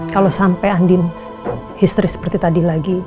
kalau sampai andin histri seperti tadi lagi